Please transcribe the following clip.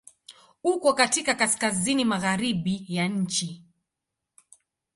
Uko katika kaskazini-magharibi ya nchi.